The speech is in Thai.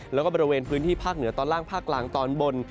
แล้วก็บริเวณพื้นที่ภาคเหนือตอนล่างภาคกลางตอนบน